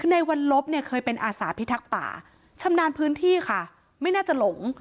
ในวันลบเนี่ยเคยเป็นอาสาพิทักษ์ป่าชำนาญพื้นที่ค่ะไม่น่าจะหลง